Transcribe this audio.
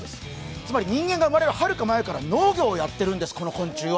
つまり人間が生まれるはるか前より、農業をやっているんです、この昆虫は。